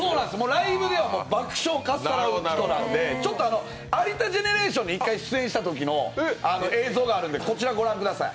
ライブではもう爆笑なんで、「有田ジェネレーション」に一回出演したときの映像があるので、ご覧ください。